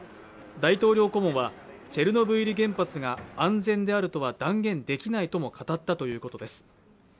大統領顧問はチェルノブイリ原発が安全であるとは断言できないとも語ったということです